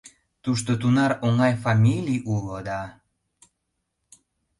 Тушто тунар оҥай фамилий уло да...